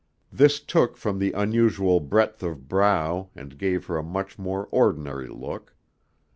This took from the unusual breadth of brow and gave her a much more ordinary look.